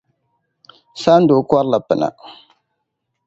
Sandoo kɔrila pina.